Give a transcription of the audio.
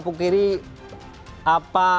pukul kiri apa